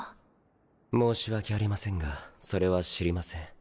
申し訳ありませんがそれは知りません。